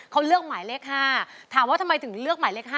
เขาเลือกหมายเลข๕ถามว่าทำไมถึงเลือกหมายเลข๕